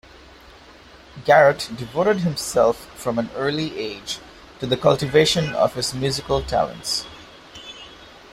Garat devoted himself from an early age to the cultivation of his musical talents.